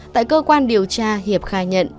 tại cơ quan điều tra hiệp khai nhận